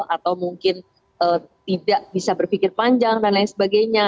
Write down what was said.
atau mungkin tidak bisa berpikir panjang dan lain sebagainya